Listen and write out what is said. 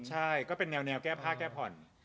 ใช่ก็เป็นแนวแก้ผ้าแก้ผ่อน